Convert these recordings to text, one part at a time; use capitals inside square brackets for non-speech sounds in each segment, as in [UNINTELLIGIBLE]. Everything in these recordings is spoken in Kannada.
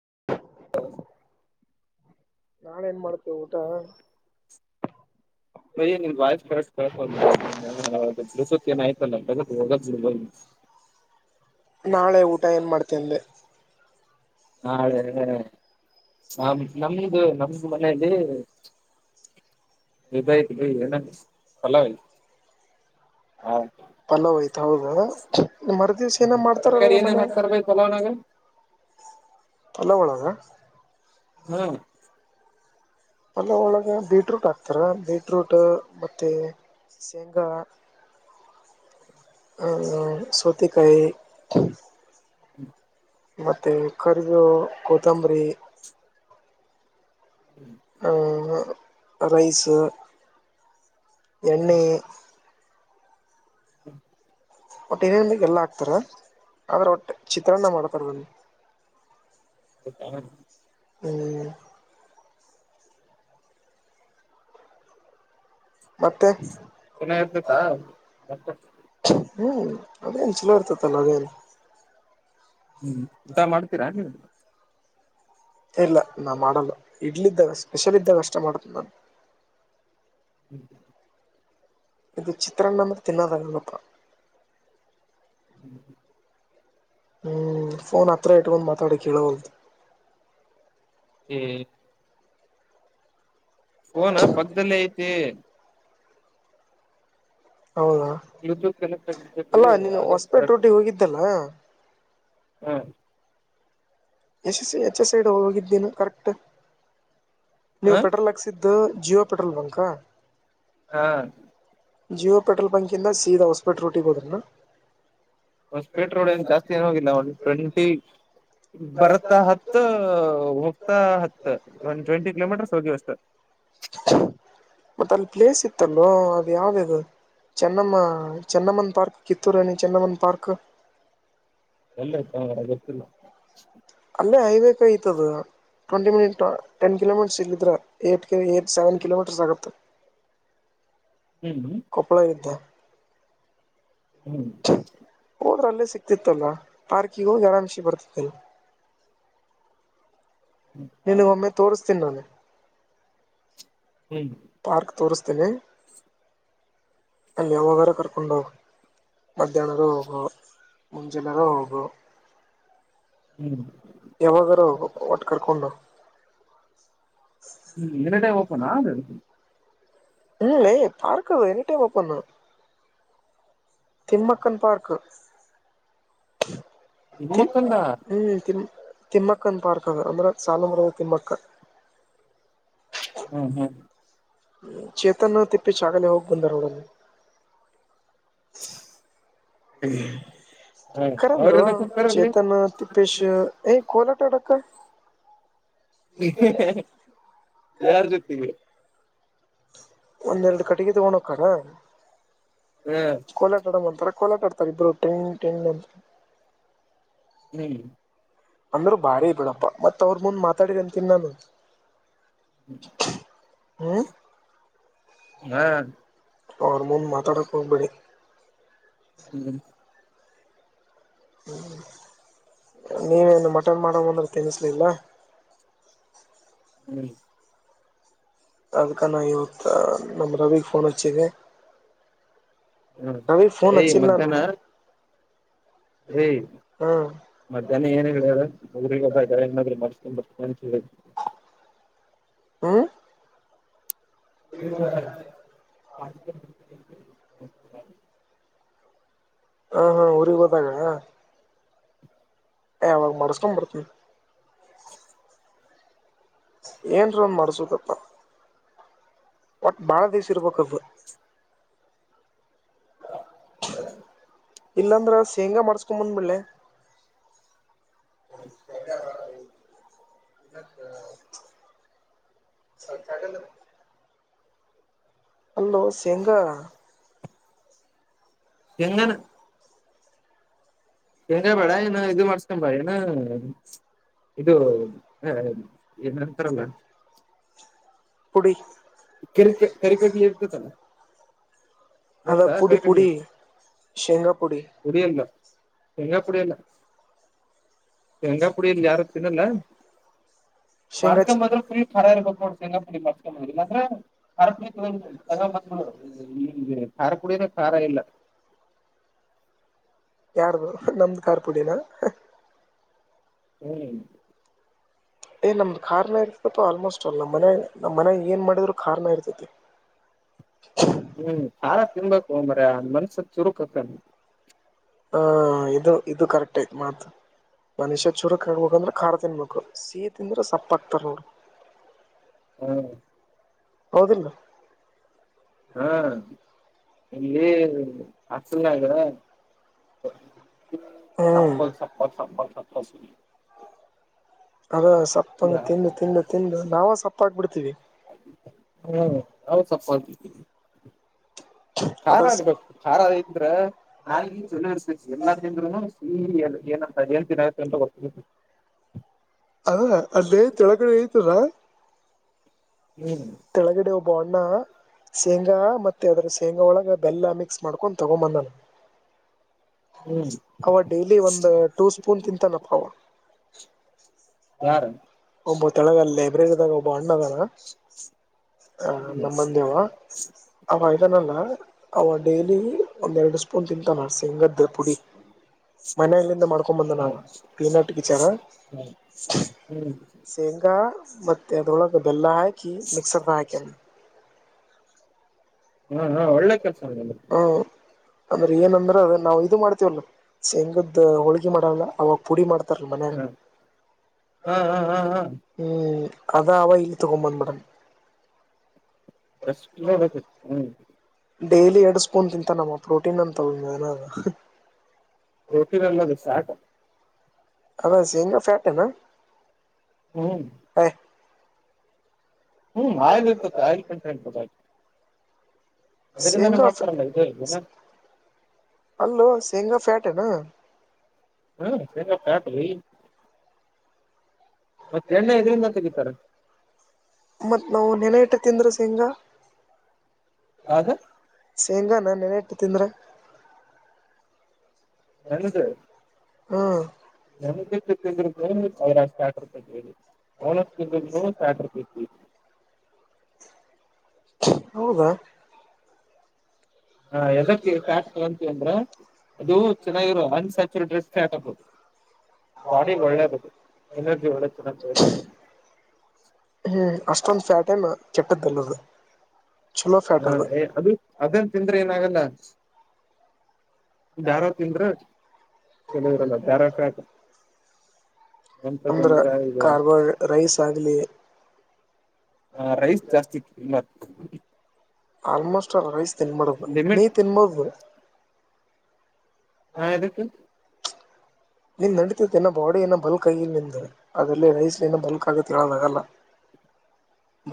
ಉಮ್ಮ್ [UNINTELLIGIBLE] ನಾ ಏನ್ ಮಾಡ್ತೇವೆ ಊಟ [INAUDIBLE] ಏನಿಲ್ಲ ವಾಯಸ್ ಸರಿಯಾಗಿ ಕೇಳಿಸಲ್ಲ [UNINTELLIGIBLE] ಬ್ಲೂಟೂತ್ ಏನಾಯಿತಲ್ಲ ನಾಳೆ ಊಟ ಏನ್ ಮಾಡ್ತೀಯಾ ಅಂದೆ ನಾಳೆ ನ ನಮ್ದು ನಮ್ದ ಮನೇಲಿ ನಿಯ ಚಲ್ಲವ ಹಾ [UNINTELLIGIBLE] ಪಲಾವ್ ಆಯ್ತು ಹೌದಾ ಮರ ದಿವ್ಸ ಏನ ಮಾಡ್ತಾರಲ್ವಾ ಮನೆ ಚಲಣಾಗ ಅಲ್ಲ ಒಳಗ ಹ್ಮ ಅಲ್ಲ ಒಳಗೆ ಬೀಟ್ರೂಟ್ ಹಾಕ್ತಾರೆ ಬೀಟ್ರೂಟ್ ಮತ್ತೆ ಶೇಂಗಾ ಸೌತೆಕಾಯಿ ಹ್ಮ ಮತ್ತು ಕರಿಬು ಕೋತ್ತಂಬರಿ ಹ್ಞೂ ರೈಸ ಎಣ್ಣೆ ಹ್ಮ ಒಟ್ಟು ನೇನು ಬಗ್ ಎಲ್ಲ ಹಾಕ್ತಾರೆ ಆದರೆ ಒಟ್ಟು ಚಿತ್ರಾನ್ನ ಮಾಡ್ತಾರೆ ಬಂದು ಉಮ್ಮ್ [INAUDIBLE] ಹ್ಮ ಮತ್ತೆ ಪುನಃ ಇರ್ತತಾ [INAUDIBLE] ಹ್ಮ್ ಅದೇನ್ ಚಲೋ ಇರ್ತತಲ್ಲ ಅದೇನು ಹ್ಮ್ ಊಟ ಮಾಡ್ತೀರಾ ನೀವು ಇಲ್ಲ ನಾ ಮಾಡಲ್ಲ ಇಡ್ಲಿ ಇದ್ದಾಗ ಸ್ಪೆಷಲ್ ಇದ್ದಾಗ ಅಷ್ಟ ಮಾಡತ ನಾನು ಹ್ಮ್ ಇದು ಚಿತ್ರಾನ್ನ ತಿನ್ನೋದಾಗಲ್ಲಪ್ಪಾ ಹ್ಮ್ ಹ್ಮ ಹ್ಮ್ ಫೋನ್ ಹತ್ರ ಇಟ್ಕೊಂಡು ಮಾತಾಡಿ ಕೇಳೋ ಹ್ಮ ಫೋನ್ ಪಕ್ಕದಲ್ಲಿ ಐತಿ ಹೌದಾ ಬ್ಲೂಟೂತ್ ಕನೆಕ್ಟ್ ಆಗಿ ಆಗ ಕರೆಕ್ಟ್ ಇಲ್ಲ [INAUDIBLE] ಹಾಂ ಯಶಸ್ ಎಚ್ ಎಸ್ ಸೈಡ್ ಹೋಗಿದ್ದೀನು ಕರೆಕ್ಟ್ ಹಾ ನೀವು ಪೆಟ್ರೋಲ್ ಹಾಕ್ಸಿದ್ದ ಇದು ಜಿಯೋ ಪೆಟ್ರೋಲ್ ಬಂಕಾ ಹಾಂ ಜಿಯೋ ಪೆಟ್ರೋಲ್ ಬಂಕಿಂದ ಸೀದ ಹಸ್ಪಟ್ರ ರಟ್ಟಿಗೆ ಹೋದಾ ಒಂದು ಸ್ಪೀಟ್ರೋ ಜಾಸ್ತಿ ಏನ ಹೋಗಿಲ್ಲ ಒಂದು ಟ್ವೆಂಟಿ ಬರ್ತಾ ಹತ್ತು ಹೋಗ್ತಾ ಹತ್ತ ವನ್ನ ಟ್ವೆಂಟಿ ಕಿಲೋಮೀಟರ್ಸ್ ಹೋಗಿ ಅಷ್ಟು ಮತ್ತ ಅಲ್ಲಿ ಪ್ಲೇಸ್ ಇತ್ತಲ್ಲೋ ಅದು ಯಾವ್ಯಾಗ ಚೆನ್ನಮ್ಮ ಚೆನ್ನಮ್ಮನ್ ಪಾರ್ಕ್ ಕಿತ್ತೂರುಾಣಿ ಚೆಮ್ಮನ್ ಪಾರ್ಕ್ ಎಲ್ಲೈತು ಮರೆಯ ಗೊತ್ತಿಲ್ಲ ಅಲ್ಲೇ ಹೈವ ಕೈತದ ಟ್ವೆಂಟಿ ಮಿನಿಟ್ ಟೆನ್ ಕಿಲೋಮೀಟರ್ ಸಿಗಿದ್ರ ಎಂಟು ಏಳು ಕಿಲೋಮೀಟರ್ ಆಗುತ್ತೆ ಹ್ಮ್ ಹ್ಮ ಕಪ್ಪಳ ಇದ್ಧ ಹ್ಞೂ ಹೋದ್ರೆ ಅಲ್ಲೇ ಸಿಕ್ಕಿತ್ತಲ್ಲ ಪಾರ್ಕಿಗ್ ಹೋಗಿ ಆರಂಭಿಸಿ ಬರ್ತಿದ್ರಿ ನಿನಗ ಒಮ್ಮೆ ತೋರಿಸ್ತೀ ನಾನು ಹ್ಮ್ ಪಾರ್ಕ್ ತೋರಿಸ್ತೀನಿ ಅಲ್ಲಿ ಯಾವಾಗ ಕರ್ಕೊಂಡು ಮಧ್ಯಾಹ್ನರು ಹೋಗು ಮುಂಜಿಲ್ಲರುೂ ಹೋಗು ಹ್ಞೂ ಯಾವಾಗರುೂ ಒಟ್ಟು ಕರ್ಕೊಂಡು ಎನಿ ಟೈಮ್ ಓಪನ್ ಅದು ಹ್ಮಲ್ಲ ಪಾರ್ಕದು ಎನಿ ಟೈಮ್ ಓಪನ್ ತಿಮ್ಮಕ್ಕನ್ ಪಾರ್ಕ್ತಿ ಮತ್ತೊಂದ ಹ್ಮ್ ತಿ ನಿಮ್ಮಪ್ಪನ ಪಾರ್ಕ್ ಅಂದ್ರೆ ಸಾಲುಮರದ ತಿಮ್ಮಕ್ಕ ಹ್ಮ್ ಹ್ಮ್ ಚೇತನ ತಿಪ್ಪೇಸ್ವಾಮಿ ಹೋಗಿ ಬಂದರೆ ಹ ಕರ ಬ್ರೋ ಅವ್ರದ ಕುತಾರಲ್ಲಿ ಚೇತನ್ನು ತಿಪ್ಪೇಶಿ ತಿಪ್ಪೇಶ ಕೋಲಟಡಕ್ಕೆ ಯಾರ್ ಜೊತೆಗೆ ಒಂದೆರಡು ಕಟ್ಟಿಕೊಂಡು ಹ್ಮ ಕೋಟಡ ಅಂತಾರೆ ಕೋಲಾಟಡ್ತಾರೆ ಇಬ್ರುಟ್ರೈನ್ ಟೈನ್ ಅಂತ ನೀ ಈ ಅಂದ್ರೆ ಬಾರೆ ಬಿಡಪ್ಪ ಮತ್ತೆ ಹಾರ್ಮೋನ್ ಮಾತಾಡಿದ್ರೆ ಅಂತ ನಾನು ಹ್ಮ್ ಹ್ಮ್ ಹಾ ಅವರ ಮುಂದೆ ಮಾತಾಡಬೇಡಿ ಹ್ಮ್ ಹ್ಮ್ ನೀವೇನು ಮಟನ್ ಮಾಡ ಅಂದ್ರೆ ತಿನ್ಸಲಿಲ್ಲ ಹ್ಮ್ ಅದಕ ನ ಇವತ್ತು ನಮ್ಮ ರವಿಗೆ ಫೋನ್ ಹಚ್ಚಿದೆ ಹ್ಮ್ ಅವನಿಗೆ ಫೋನ್ ಏಯ್ ಹಚ್ಚಿಲ್ಲ ನಾನು ಹ ಹ್ಮ್ ಮಧ್ಯಾಹ್ನ ಏನ ಹೇಳ ಮಗಿಗೆಏ್ರ ಮಿಸಸ್ಕೊ ಬರ್ ಹಾ ಹ [UNINTELLIGIBLE] ಹಾ ಹಾ ಊರಿಗೆ ಹೋದಾಗ ಎ ಅವಾಗ್ ಮಾಡಸ್ಕೊ ಬರ್ತೀನಿ [UNINTELLIGIBLE] ಏನ್ರ ಒಂದ ಮಾಡ್ಸದಪ್ಪ ಒಟ್ ಬಾಳ ದಿವಸ ಇರ್ಬೇಕ್ದು ಹ [UNINTELLIGIBLE] ಇಲ್ಲಾಂದ್ರ ಶೇಂಗಾ ಮಾಡ್ಸ್ಕೊ ಬಂದ್ ಬಿಡ್ಲೇ ಶೇಂಗಾ [UNINTELLIGIBLE] ಅ [UNINTELLIGIBLE] ಸಾಕಾಗಲ್ಲ. ಅಲ್ಲೋ ಸೇಂಗಾ ಎಂಗನ ಏನು ಬೇಡ ಏನ ಬೇಡ ಇನ ಇದು ಮಾಡಸ್ಕೊ ಬಾ ಏನ ಇದು ಏನಂತಾರಲ್ಲ ಹುಡಿ ಕರಿ ಕರಿಕೋತಿ ಏರಿ ಕೂತಾಳ ಅದ ಪುಡಿ ಪುಡಿ ಶೇಂಗಾ ಪುಡಿ ಪುಡಿಲ್ಲ ಶೇಂಗಾ ಪುಡಿಲ್ಲ ಶೇಂಗಾ ಪುಡಿ ಇಲ್ಲೆ ಯಾರ ತಿನ್ನಲ್ಲ ಶೇಂಗಾ ಮಾಡಿಕೆಂಬ ಚ ಬರುವಂತ್ರಿ ಇನ್ ಯಾರಿರಿಗ ಗೊತ್ತ ನೋಡ ಶೇಂಗಾಪುಡಿರ್ಕೊಂಡಿಲ್ಲ [UNINTELLIGIBLE] ಹಗೆ ಖಾರ ಪುಡಿನೂ ಖಾರ ಇಲ್ಲ. ಯಡದ ನಮ್ದು ಕಾರ್ ಪುಡಿನ ಹ್ಮ್ ಏ ನಮ್ದು ಕಾರಾರ್ನ ಇರ್ತಪ್ಪ ಆಲ್ಮೋಸ್ಟ್ ಅಲ್ ನಮ್ಮ ಮನೆಗ ನಮ್ಮ ಮನೆಗ ಏನ್ ಮಾಡಿದ್ರು ಕಾರನೆ ಇರ್ತೈತಿ. [UNINTELLIGIBLE] ಹ್ಮ್ ಖಾರ ತಿನ್ಬೇಕು ಮಾರಾಯ ಅಂದ್ ಮನುಷ್ಯ ಚುರುಕ ಅಕ್ಕನ ಹ ಇದು ಇದು ಕರೆಕ್ಟ್ ಆಯ್ತು ಮಾತು ಮನುಷ್ಯ ಚೂರುಕ್ ಆಗ್ಬೇಕಂದ್ರ ಖಾರ ತಿನ್ಬೇಕು ಸಿಹಿ ತಿಂದ್ರೆ ಸಪ್ಪಾಕ್ತಾರ್ ಅವರು [UNINTELLIGIBLE] ಹ್ಮ ಹೌದಿಲ್ಲ ಹಾ ಇಲ್ಲಿ ಹಾಸ್ಟೆಲ್ನ್ಯಾಗ ಸ ಹ್ಮ್ ಸಪ್ಪ ಸಪ್ಪ ಸಪ್ಪ ಸಪ್ಪ ಸುಲಿ ಅದ ಸಪ್ಪಂದ ತಿಂದು ತಿಂದು ತಿಂದು ನಾವೇ ಸಪ್ಪಾಗ್ಬಿಡ್ತೀವಿ. ಹ್ಮ್ ಅವ ಸಪ್ಪಗತಿವಿ ಖಾರ ಅದ್ರ ಆಗ್ಬೇಕು ಖಾರ ಇದ್ರೆ ನಾಲಿಗಿ ಸರ್ ಎಲ್ಲಾ ತಿನ್ನು ಏ ಏನ್ನ್ ಆಯ ಅಂತ [UNINTELLIGIBLE] ಹೌದ ಅಲ್ಲೇ ತಳಗಡೆ ಐತಲ್ಲ ಹ್ಮ್ ತಳಗಡೆ ಒಬ್ಬ ಅಣ್ಣ ಶೇಂಗಾ ಮತ್ತೆ ಅದ್ರ ಶೇಂಗಾ ಒಳಗ ಬೆಲ್ಲ ಮಿಕ್ಸ್ ಮಾಡ್ಕೊಂಡ್ ತಗೊ ಬಂದಾನ ಹ್ಮ್ ಅವ ಡೈಲಿ ಒಂದು ಟೂ ಸ್ಪೂನ್ ತಿಂತಾನಪ್ಪ ಅವ ಯಾರ ಒಬ್ಬವ ತೆಳಗ ಅಲ್ಲಿ ಲೈಬ್ರರಿದಾಗ ಒಬ್ಬವ ಅಣ್ಣ ಅದಾನ ಅ ಹ್ಮ್ ನಮ್ಮದೀವ ಅವ ಇದನಲ್ಲ ಅವ ಡೈಲಿ ಒಂದೆರಡು ಸ್ಪೂನ್ ತಿಂತಾನ ಶೇಂಗದ ಪುಡಿ. ಮನೆಯಲ್ಲಿದ ಮಾಡ್ ಹ್ಮ ಹ್ಮ ಹ್ಮ್ ತೆಂಗಾ ಮತ್ತುತ್ತ ಅದರೊಳಗೆ ಬೆಲ್ಲ ಹಾಕಿ ಮಿಕ್ಸರ್ದ ಹಾಕ್ಯಲ್ಲ ಹಾ ಹಾ ಒಳ್ಳೆ ಕೆಲ್ಸ ಹಾಂ ಅಂದ್ರೆ ಏನಂದ್ರೆ ಅದು ನಾವು ಇದು ಮಾಡ್ತೀವಲ್ಲ ಶೇಂಗದ್ದು ಹೋಳಿಗೆ ಮಾಡಂದ ಅವಾಗ ಪುಡಿ ಮಾಡ್ತಾರಲ್ ಮನೆ ಹ್ಮ್ ಹಾ ಹಾ ಹಾ ಹಾ ಹ್ಮ್ ಅದ ಅವ ಇಲ್ ತಗೊ ಬಂದ್ ಮೇಡಮ್ ದಷ್ಟ ಕಿಲೋ ಬೇಕು ಹ್ಞೂ ಡೇಲಿ ಎರಡು ಸ್ಪೂನ್ ತಿಂತಾನಮ್ಮ ಪ್ರೋಟೀನ್ ಅಂತ ರೋಟಿರೆಲ್ಲದು ಸಾಕ ಅದ್ ಹೆಂಗ ಫ್ಯಾಟ್ನಾ ಹ್ಮ್ ಹ್ಮ್ ಆಯ್ಲ್ ಇರ್ತ ಆ್ ಕಂಟ ಹಬೋ ಆಯ್ ಸೇಂಗಾ ಮಾಡ್ತಾರಲ್ಲ ಇದೇ ಹ್ಮ್ ಅಲ್ಲೋ ಸೇಂಗಾ ಫ್ಯಾಟ್ ಹಾ ಶೇಂಗಪ್ಪ ಹಾಟ ಮತ್ತೆ ಎಣ್ಣೆ ಇದ್ರಿಂದ ತೆಗಿತಾರ ಮತ್ತು ನಾವು ನೆನೆ ಹಿಟ್ಟು ತಿಂದ್ರ ಸಿಂಗ ಯಾವ್ದ ಶೇಂಗ ನಾ ನ ಇಟ್ಟು ತಿಂದ್ರೆ ಹ್ಮ್ ನಮಗೆಷ್ಟ ತಿಂದ್ರ ಅವರ ಸ್ಯಾಟ್ರ ತಟ್ಟರಿ ಓನ ತಿಂದ್ರ ಸ್ಯಾಟರ್ವಿ ಹೌದಾ ಹಾ ಎದಕ್ಕೆ ಪ್ಯಾಟ್ ತಂತೀ ಅಂದ್ರ ಅದು ಚೆಾಗಿರುವ ಒಂದ್ ಹಚ್ಚಿರ ಡ್ರೆಸ್ ಹಾಕಬಹುದು ಬಾಲಿ ಒಳ್ಳ ಎನರ್ಜಿ ಒಳ ಚ ನಗ ಹ್ಮ್ ಅಷ್ಟೊ್ ಫ್ಯಾಟ ನ್ ಕೆಟ್ಟದ್ದಲ್ಲದ ಹಾ ಅದು ಅದನ್ ತಿಂದ್ರೆ ಏನಾಗಲ್ಲ ಯಾರಾವ ತಿಂದ್ರ ಕೆಲಿದರಲ್ಲ ಯಾರಕ ಅಂದ್ರೆ ಕಾರ್ಬೋ ರೈಸ್ ಆಗಲಿ ಹಾ ರೈಸ್ ಜಾಸ್ತಿ ಮ ಆಲ್ಮೋಸ್ಟ್ ರೈಸ್ ತಿನ್ಬಾರ ನೀ ಲಿಮಿಟ್ ತಿನ್ಬೋದ ಹಾ ಇದದಕ್ಕೆ ನಿನ್ ನಡತೈತಿನ್ನೋ ಬಾಡಿ ಏನೋ ಬಲ್ಕ್ ಆಗಿ ನಿ ಅದ್ರಲ್ಲಿ ರೈಸ್ ಏನೋ ಬಲ್ಕ್ ಆಗೆ ಹೇಳೋದಾಗಲ್ಲ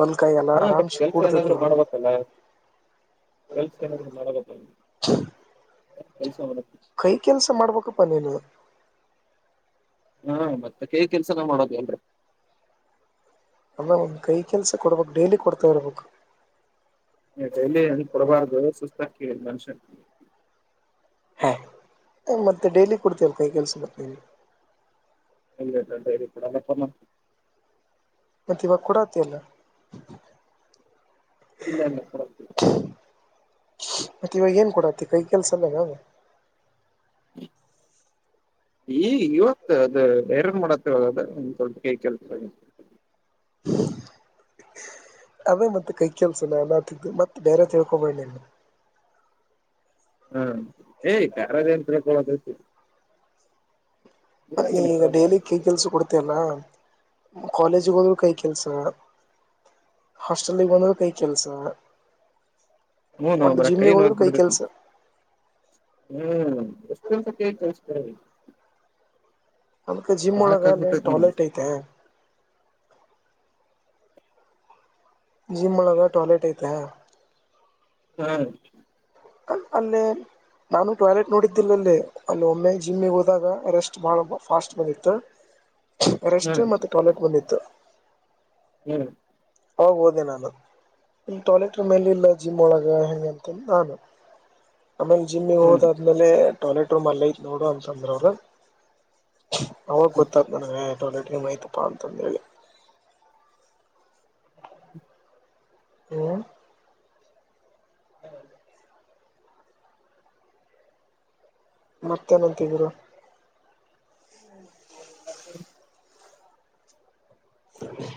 ಬಲ್ಕ ಎಲ್ಲ ಹ ಬಟ್ ಆರಾಮಸ ಕೆಲ್ಸ ಕುಡತ ಏನಾದ್ರು ತ ಮಾಡ್ಬೇಕಲ್ಲ ಕೆಲ್ಸ ಏನಾದ್ರು ಮಾಡಬೇಕ ಕೆಲ್ಸ ಮಾಡ ಕೈ ಕೆಲ್ಸ ಮಾಡ್ಬೇಕಪ್ಪ ನೀನು ಹಾ ಮತ್ತೆ ಕೇ ಕೆಲ್ಸನ ಮಾಡೋದ್ ಅಲ್ರರಿ ಅಲ್ಲ ಒಂದ್ ಕೈ ಕೆಲ್ಸ ಕೊಡ್ಬೇಕಕ್ ಡೈಲಿ ಕೊಡ್ತಾ ಇರ್ಬೇಕು ಡೈಲಿ ಕೊಡಬಾರ್ದು ಸುಸ್ತಾ ಮನುಷ್ಯ ಹಾಂ ಮತ್ತೆ ಡೈಲಿ ಕೊಡ್ತೀವವೆ ಕೈ ಕೆಲ್ಸ ಬತ ನಿವು ಇಲ್ಲಡೈ ಇ ಅಲ್ಲ ಮತ್ತೆ ಇವಾಗ ಕೊಡತಿ ಎಲ್ಲ ಇಲ್ಲಲ್ಲ ಕೊರ ಮತ್ತೆ ಇವಾಗ ಏನ್ ಕೊಡತಿ ಕೈ ಕೆಲ್ಸಲ್ಲ ನ ಈ ಇವತ್ತು ಅದು ಬೇರನ್ ಮಾಡತ್ತವ ಒಂದು ಸ್ವಲ್ಪ ಕೆಲ್ಸ ಅದೇ ಮತ್ತೆ ಕೈ ಕೆಲ್ಸನ ಮತಿದ್ದು ಮತ್ತೆ ಬೇರೆ ತಿಳ್ಕೊಬೇ ನೀನು ಹಾ ಏಯ್ ಖಾರದಂಕಳ [UNINTELLIGIBLE] ಅ ನೀ ಈಗ ಇದ್ರಾಗೇನೈತ ಮಾರಾಯ ಡೈಲಿ ಕೈ ಕೆಲ್ಸ ಕೊಡ್ತಯಲ್ಲ ಕಾಲೇಜಿಗೆ ಹೋದರು ಕೈ ಕೆಲ್ಸ ಹಾಸ್ಟೆಲ್ಗೆ ಬೋಂದ್ರು ಕೈ ಕೆಲ್ಸ ಹ್ಞೂ ನೋ ಒಟ್ಟ ಮಾರಾಯ ಜಿಮ್ಮಿಗೆ ನೋಯ್ ಹೋದರು ಕೈ ಬಿಡ್ತೈತಿ ಕೆಲ್ಸ ಹ್ಮ್ ಎಷ್ಟೊಂದುಸತಿ ಕಲ್ಸ್ತ ಅದ್ಕ ಜಿಮ್ ಒಳಗ ಸಾಕಾಗ್ಬಿಟ್ಟೈತಿ ನನ್ಗೆ ಟಾಯ್ಲೆಟ್ ಐತೆ ಜಿಮ್ ಮಾಡೊದು ಟಾಯ್ಲೆಟ್ ಐತಾ ಹ್ಮ್ ಅಲ್ಲೇ ನಾನು ಟಾಯ್ಲೆಟ್ ನೋಡಿದ್ದಿಲ್ಲ ಅಲ್ಲಿ ಅಲ್ಲಿ ಒಮ್ಮೆ ಜಿಮ್ಮಿಗೆ ಹೋದಾಗ ರೆಸ್ಟ್ ಮಾಡೋ ಪಾಸ್ಟ್ ದಿತ್ತು ರೆಸ್ಟ್ ಹ್ಮ್ ಮತ್ತೆ ಟಾಯ್ಲೆಟ್ ಬಂದಿತ್ತು ಹ್ಮ್ ಹೋಗ್ಬೋದೇನ ಅದು ಇಲ್ ಟಾಯ್ಲೆಟ್ ರೂಮ್ ಮೇಲೆ ಇಲ್ಲ ಜಿಮ್ ಒಳಗ ಹೆಂಗ ಅಂತ ನಾನು ಆಮೇಲೆ ಜಿಮ್ಮಿಗೆ ಹ್ಮ್ ಹೋದಾದ್ಮೇಲೆ ಟಾಯ್ಲೆಟ್ ರೂಮ್ ಅಲ್ಲ ಐತ್ ನೋಡು ಅಂತಂದ್ರ ಅವರು ಅವಾಗ ಹ್ಮ್ ಗೊತ್ತತ್ ನನಗೆ ಟಾಯ್ಲೆಟ್ ರೂಮ್ ಆಯ್ತಪ್ಪಾ ಅಂತಂದ ಹೇಳಿ ಹ್ಮ್ ಹೌದು ಮತ್ತೆ ಏನಂತಿದ್ರು ಹ್ಮ್ [INAUDIBLE]